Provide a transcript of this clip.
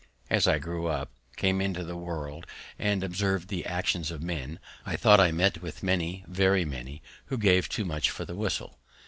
As I grew up, came into the world, and observed the actions of men, I thought I met with many, very many, who gave too much for the whistle.